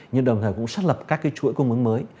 nhưng đồng thời cũng xuất lập các chuỗi công ứng mới